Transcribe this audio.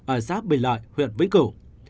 ở xác bình lợi huyện vĩnh cửu